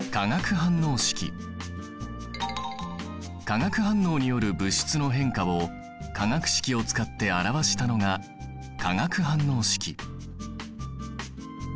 化学反応による物質の変化を化学式を使って表したのが化学反応式。